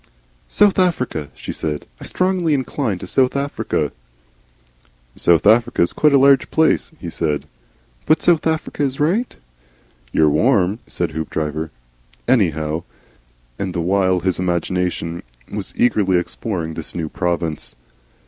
"South Africa," she said. "I strongly incline to South Africa." "South Africa's quite a large place," he said. "But South Africa is right?" "You're warm," said Hoopdriver, "anyhow," and the while his imagination was eagerly exploring this new province.